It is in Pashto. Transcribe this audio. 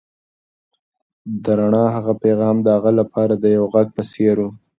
د رڼا هغه پيغام د هغه لپاره د یو غږ په څېر و.